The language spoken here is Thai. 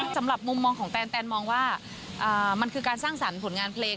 สำหรับมุมมองของแตนแตนมองว่ามันคือการสร้างสรรค์ผลงานเพลง